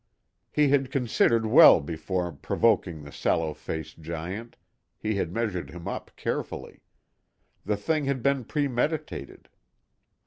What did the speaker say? He had considered well before provoking the sallow faced giant, he had measured him up carefully; the thing had been premeditated.